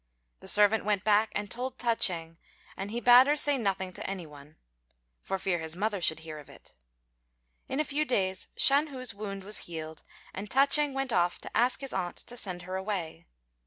The servant went back and told Ta ch'êng, and he bade her say nothing to any one, for fear his mother should hear of it. In a few days Shan hu's wound was healed, and Ta ch'êng went off to ask his aunt to send her away.